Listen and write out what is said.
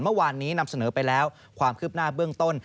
เมื่อวานนี้นำเสนอไปแล้วความคืบหน้าเบื้องต้น